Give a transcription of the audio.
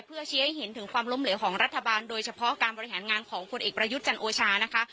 เพื่อชี้ให้เห็นถึงความล้มเหลวของรัฐบาลโดยเฉพาะการบริหารงานของผลเอกประยุทธ์จันโอชานะคะ